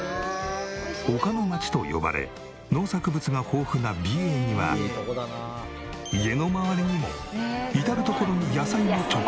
「丘のまち」と呼ばれ農作物が豊富な美瑛には家の周りにも至る所に野菜の直売所が。